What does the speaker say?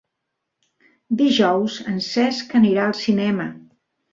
Dijous en Cesc anirà al cinema.